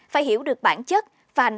phải hiểu được bản chất và nắm chứng